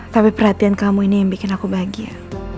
tapi perhatian kamu ini yang bikin aku bahagia